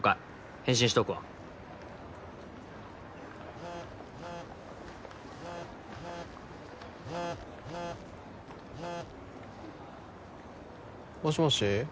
返信しとくわもしもし？